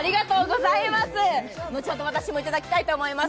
後ほど私もいただきたいと思います。